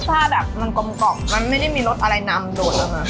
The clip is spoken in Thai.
รสชาติแบบมันกลมกล่องมันไม่ได้มีรสอะไรนำโดยรุ่นมา